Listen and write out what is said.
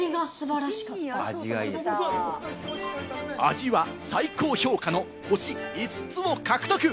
味は最高評価の星５つも獲得！